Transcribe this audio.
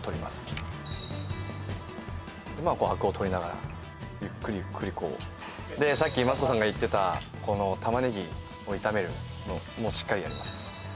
まあこうアクを取りながらゆっくりゆっくりこうでさっきマツコさんが言ってたこの玉ねぎを炒めるのもしっかりやります